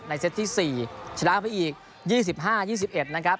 ในเซ็ตที่สี่ชนะไปอีกยี่สิบห้ายี่สิบเอ็ดนะครับ